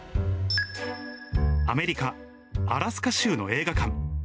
アメリカ・アラスカ州の映画館。